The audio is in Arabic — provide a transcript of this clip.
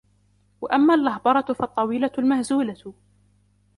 وَأَمَّا اللَّهْبَرَةُ فَالطَّوِيلَةُ الْمَهْزُولَةُ